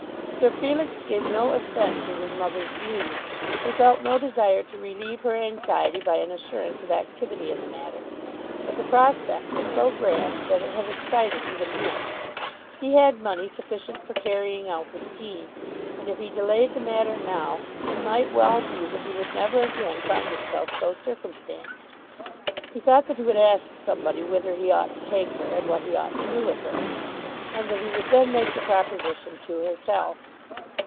Sir Felix gave no assent to his mother's views. He felt no desire to relieve her anxiety by an assurance of activity in the matter. But the prospect was so grand that it had excited even him. He had money sufficient for carrying out the scheme, and if he delayed the matter now, it might well be that he would never again find himself so circumstanced. He thought that he would ask somebody whither he ought to take her, and what he ought to do with her; and that he would then make the proposition to herself.